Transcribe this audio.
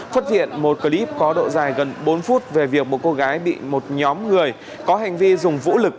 xuất hiện một clip có độ dài gần bốn phút về việc một cô gái bị một nhóm người có hành vi dùng vũ lực